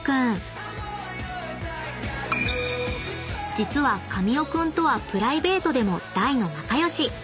［実は神尾君とはプライベートでも大の仲良し］